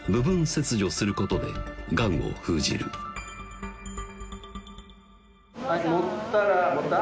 切除することでがんを封じるはい持ったら持った？